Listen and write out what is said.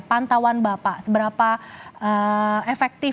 pantauan bapak seberapa efektif penggunaan rest area di luar arteri ini bagi para pemudik pak